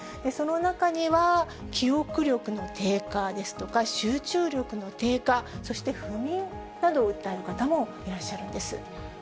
その中には、記憶力の低下ですとか、集中力の低下、そして不眠などを訴える方もいらっしゃるんです。